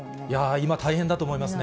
今、大変だと思いますね。